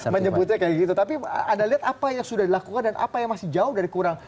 menyebutnya kayak gitu tapi anda lihat apa yang sudah dilakukan dan apa yang masih jauh dari kurang